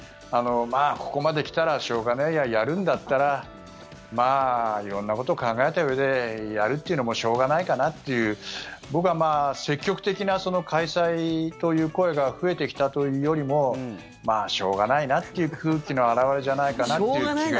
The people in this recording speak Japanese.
ここまで来たらしょうがねえややるんだったらまあ、色んなことを考えたうえでやるというのもしょうがないかなという僕は積極的な開催という声が増えてきたというよりもまあしょうがないなという空気の表れじゃないかなという気が。